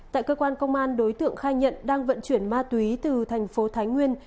tại cơ quan công an đối tượng khai nhận đang vận chuyển ma túy từ thành phố thái nguyên